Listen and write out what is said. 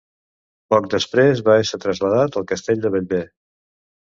Poc després va esser traslladat al Castell de Bellver.